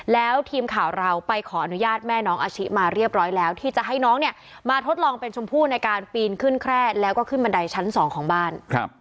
แล้วทีมข่าวเราไปขออนุญาตแม่น้องอาชิมาเรียบร้อยแล้วที่จะให้น้องเนี่ยมาทดลองเป็นชมพู่ในการปีนขึ้นแคร่แล้วก็ขึ้นบันไดชั้น๒ของบ้าน